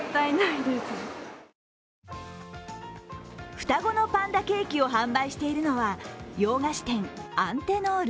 双子のパンダケーキを販売しているのは洋菓子店、アンテノール。